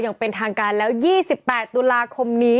อย่างเป็นทางการแล้ว๒๘ตุลาคมนี้